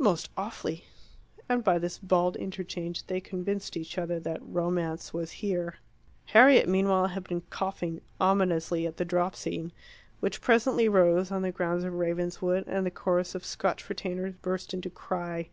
"Most awfully." And by this bald interchange they convinced each other that Romance was here. Harriet, meanwhile, had been coughing ominously at the drop scene, which presently rose on the grounds of Ravenswood, and the chorus of Scotch retainers burst into cry.